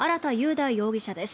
大容疑者です。